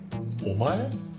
「お前」？